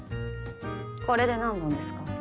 これで何本ですか？